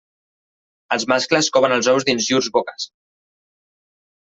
Els mascles coven els ous dins llurs boques.